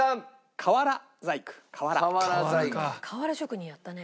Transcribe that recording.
瓦職人やったね。